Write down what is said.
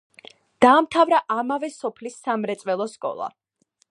დაამთავრა ამავე სოფლის სამრეწველო სკოლა.